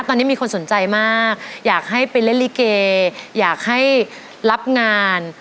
ตอนนี้มีคนสนใจมากอยากให้ไปเล่นลิเกอยากให้รับงาน